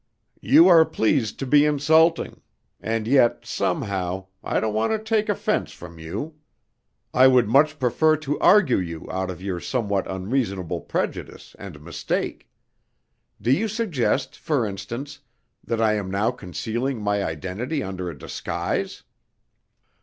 "You are pleased to be insulting. And yet, somehow, I don't want to take offence from you. I would much prefer to argue you out of your somewhat unreasonable prejudice and mistake. Do you suggest, for instance, that I am now concealing my identity under a disguise?"